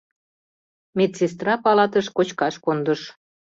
Медсестра палатыш кочкаш кондыш.